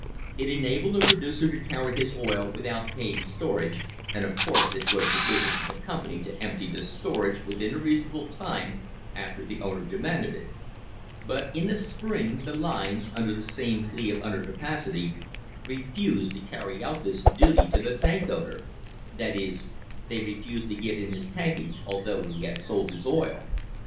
It enabled a producer to carry his oil without paying storage, and, of course, it was the business of the company to empty this stor age within a reasonable time after the owner demanded it. But in the spring the lines, under the same plea of under capacity, refused to carry out this duty to the tank owner; that is, they refused to give him his tankage, although he had sold his oil.